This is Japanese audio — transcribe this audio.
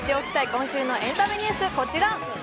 今週のエンタメニュース、こちら。